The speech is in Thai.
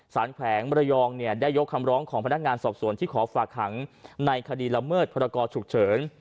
แขวงมรยองได้ยกคำร้องของพนักงานสอบส่วนที่ขอฝากหังในคดีละเมิดพรกรฉุกเฉิน